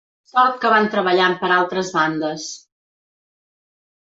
Sort que van treballant per altres bandes.